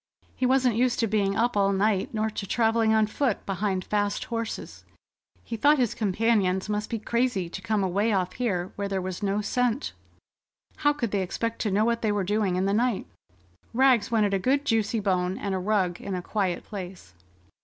He wasn't used to being up all night, nor to travelling on foot behind fast horses. He thought his companions must be crazy to come away off here where there was no scent. How could they expect to know what they were doing in the night? Rags wanted a good juicy bone, and a rug in a quiet place.